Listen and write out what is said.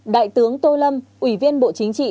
đại tướng tô lâm ủy viên bộ chính trị